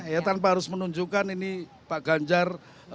ya tanpa harus menunjukkan ini pak ganjar